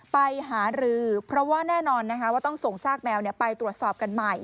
ไปหารือเพราะว่าแน่นอนนะคะว่าต้องส่งซากแมวไปตรวจสอบกันใหม่